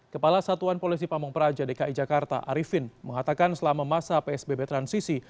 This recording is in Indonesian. kepala satuan polisi pamung praja dki jakarta arifin mengatakan selama masa psbb transisi